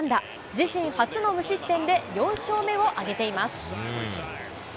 自身初の無失点で、４勝目を挙げています。